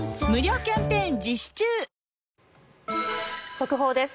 速報です。